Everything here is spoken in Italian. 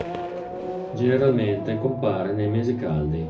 Generalmente compare nei mesi caldi.